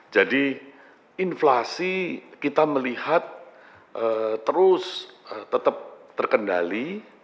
jadi inflasi kita melihat terus tetap terkendali